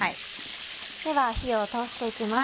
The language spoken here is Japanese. では火を通して行きます。